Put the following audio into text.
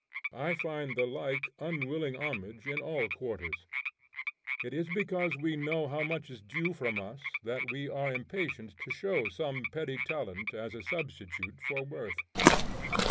I find the like unwilling homage in all quarters. It is because we know how much is due from us that we are impatient to show some petty talent as a substitute for worth.